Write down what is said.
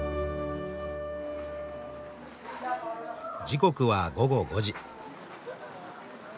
時刻は午後５時。